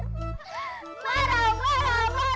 marah marah marah